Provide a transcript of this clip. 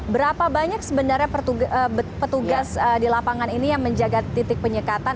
berapa banyak sebenarnya petugas di lapangan ini yang menjaga titik penyekatan